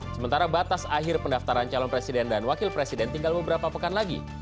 sementara batas akhir pendaftaran calon presiden dan wakil presiden tinggal beberapa pekan lagi